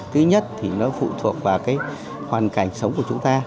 thứ nhất thì nó phụ thuộc vào cái hoàn cảnh sống của chúng ta